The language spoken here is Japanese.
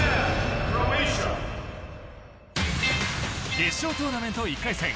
決勝トーナメント１回戦